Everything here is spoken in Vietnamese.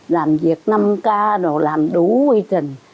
làm việc năm k làm đủ quy trình